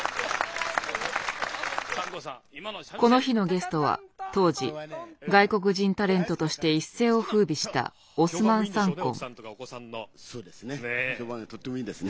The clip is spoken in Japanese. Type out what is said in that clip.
この日のゲストは当時外国人タレントとして一世をふうびしたオスマン・サンコン。